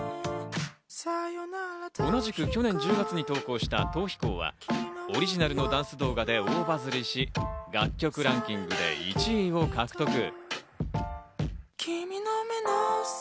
同じく去年１０月に投稿した『逃避行』はオリジナルのダンス動画で大バズりし、楽曲ランキングで１位を獲得。